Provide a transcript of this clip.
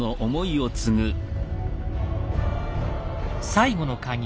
最後の鍵